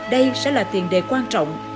đây sẽ là tiền đề quan trọng